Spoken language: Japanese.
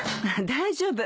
大丈夫。